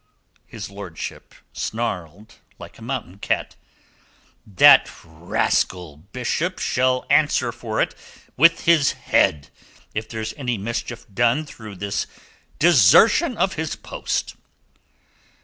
His lordship snarled like a mountain cat. "That rascal Bishop shall answer for it with his head if there's any mischief done through this desertion of his post.